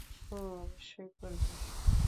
ওহ, অবশ্যই করবে।